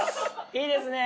いいですね。